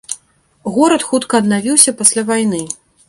Горад хутка аднавіўся пасля вайны.